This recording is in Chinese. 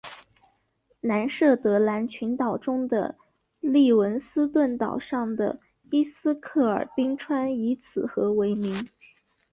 南设得兰群岛中的利文斯顿岛上的伊斯克尔冰川以此河为名。